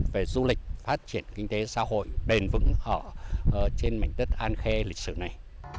về du lịch phát triển kinh tế xã hội bền vững ở trên mảnh đất an khê lịch sử này